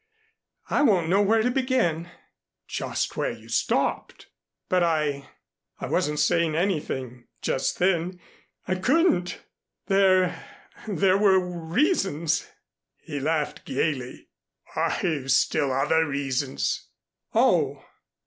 I won't know where to begin " "Just where you stopped." "But I I wasn't saying anything just then. I couldn't. There there were reasons." He laughed gayly. "I've still other reasons." "Oh!"